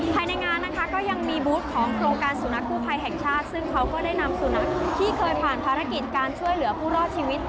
ภายในงานนะคะก็ยังมีบูธของโครงการสุนัขกู้ภัยแห่งชาติซึ่งเขาก็ได้นำสุนัขที่เคยผ่านภารกิจการช่วยเหลือผู้รอดชีวิต